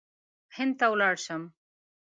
هند ته ولاړ شم.